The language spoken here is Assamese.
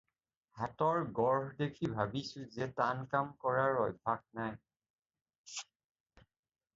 হাতৰ গঢ় দেখি ভাবিছোঁ যে টান কাম কৰাৰ অভ্যাস নাই।